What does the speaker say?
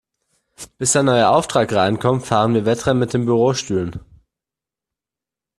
Bis ein neuer Auftrag reinkommt, fahren wir Wettrennen mit den Bürostühlen.